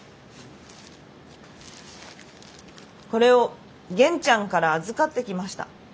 これを元ちゃんから預かってきました。